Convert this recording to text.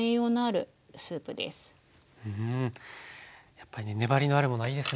やっぱりね粘りのあるものはいいですね。